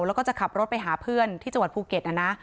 แล้วก็จะขับรถไปหาเพื่อนที่จังหวัดภูเก็ตนะ